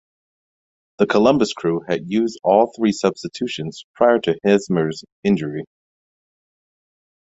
The Columbus Crew had used all three substitutions prior to Hesmer's injury.